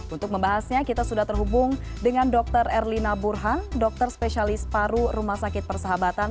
untuk membahasnya kita sudah terhubung dengan dr erlina burhan dokter spesialis paru rumah sakit persahabatan